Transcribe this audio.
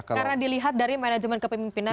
karena dilihat dari manajemen kepemimpinan